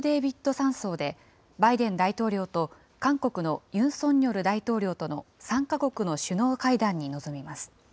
山荘でバイデン大統領と韓国のユン・ソンニョル大統領との３か国の首脳会談に臨みます。